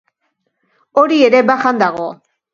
Hori ere bajan dago.